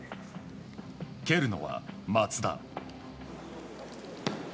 蹴るのは松田。